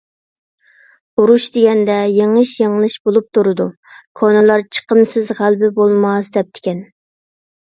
ئۇرۇش دېگەندە يېڭىش - يېڭىلىش بولۇپ تۇرىدۇ، كونىلار «چىقىمسىز غەلىبە بولماس» دەپتىكەن.